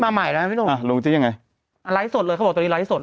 มาใหม่นะลูกจะยังไงอาไลต์สดเลยเขาบอกตัวนี้ไลต์สด